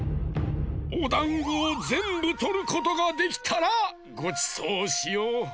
おだんごをぜんぶとることができたらごちそうしよう！